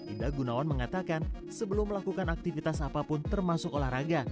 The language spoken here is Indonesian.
ida gunawan mengatakan sebelum melakukan aktivitas apapun termasuk olahraga